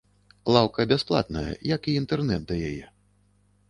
Лаўка бясплатная, як і інтэрнэт ад яе.